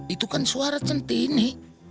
itu kan suara centini